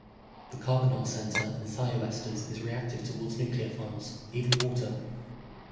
The carbonyl center in thioesters is reactive toward nucleophiles, even water.